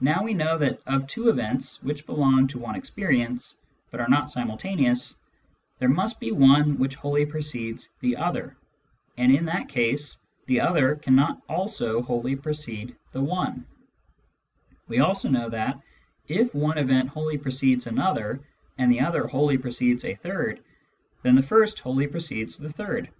Now we know that of two events which are not simultaneous, there must be one which wholly precedes the other, and in th^t case the other cannot also wholly precede the one ; we also know that, if one event wholly precedes another, and the other wholly precedes a third, then the first wholly precedes the third.